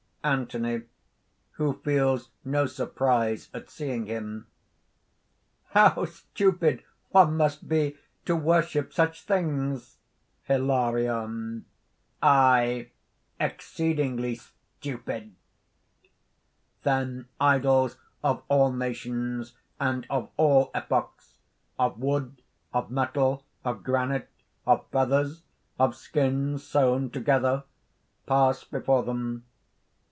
_) ANTHONY (who feels no surprise at seeing him). "How stupid one must be to worship such things!" HILARION. "Aye! exceedingly stupid!" (_Then idols of all nations and of all epochs of wood, of metal, of granite, of feathers, of skins sewn together, pass before them.